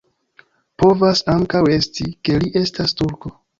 Povas ankaŭ esti, ke li estas turko.